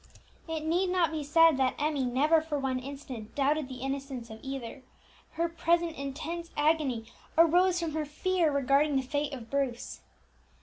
It need not be said that Emmie never for one instant doubted the innocence of either; her present intense agony arose from her fear regarding the fate of Bruce.